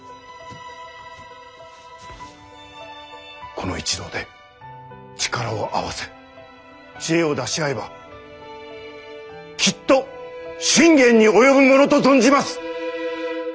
この一同で力を合わせ知恵を出し合えばきっと信玄に及ぶものと存じます！